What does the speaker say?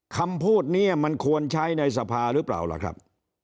คำพูดนี้มันควรใช้ในสภาหรือเปล่าล่ะครับ